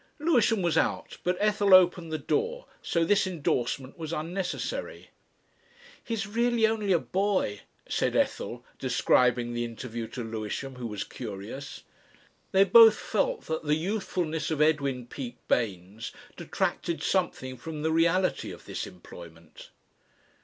Lewisham was out, but Ethel opened the door, so this indorsement was unnecessary, "He's really only a boy," said Ethel, describing the interview to Lewisham, who was curious. They both felt that the youthfulness of Edwin Peak Baynes detracted something from the reality of this employment.